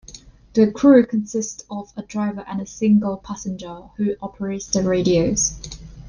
The crew consists of a driver and a single passenger, who operates the radios.